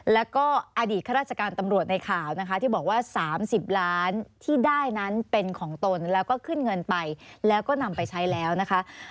แล้วก็อดีตข้าราชการตำรวจในข่าวนะคะที่บอกว่า๓๐ล้านที่ได้นั้นเป็นของตนแล้วก็ขึ้นเงินไปแล้วก็นำไปใช้แล้วนะคะ